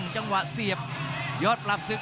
จังหวะเสียบยอดปรับศึก